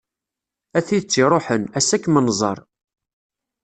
A tidet iṛuḥen, ass-a ad kem-nẓeṛ.